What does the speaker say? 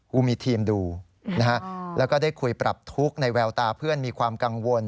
กูมีทีมดูนะฮะแล้วก็ได้คุยปรับทุกข์ในแววตาเพื่อนมีความกังวล